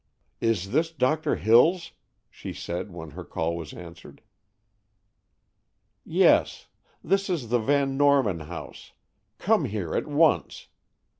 "Is this Doctor Hills?" she said when her call was answered. "Yes; this is the Van Norman house. Come here at once.